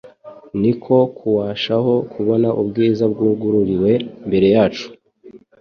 ni ko huwshaho kubona ubwiza bwugururiwe imbere yacu;